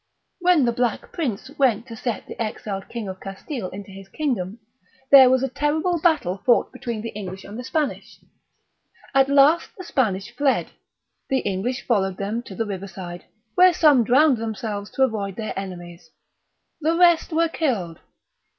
When the Black Prince went to set the exiled king of Castile into his kingdom, there was a terrible battle fought between the English and the Spanish: at last the Spanish fled, the English followed them to the river side, where some drowned themselves to avoid their enemies, the rest were killed.